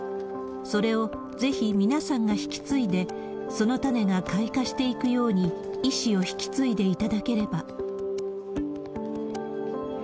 それをぜひ皆さんが引き継いで、その種が開花していくように、遺志を引き継いでいただければ。